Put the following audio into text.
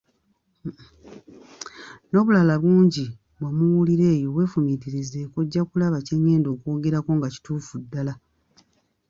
N'obulala bungi bwe muwulira eyo bwefumiitirizeeko ojja kulaba kye ngenda okwogerako nga kituufu ddala.